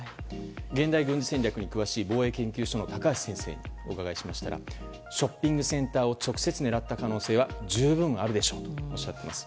現代軍事戦略に詳しい防衛研究所の高橋杉雄先生にお伺いしましたらショッピングセンターを直接狙った可能性は十分あるでしょうとおっしゃっています。